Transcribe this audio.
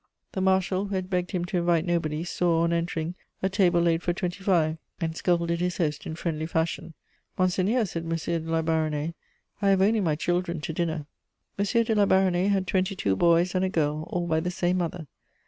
The Marshal, who had begged him to invite nobody, saw, on entering, a table laid for twenty five, and scolded his host in friendly fashion. "Monseigneur," said M. de La Baronnais, "I have only my children to dinner." M. de La Baronnais had twenty two boys and a girl, all by the same mother.